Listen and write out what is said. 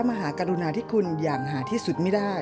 ด้วยสำนึกในพระมหากรุณาที่คุณอย่างหาที่สุดไม่ได้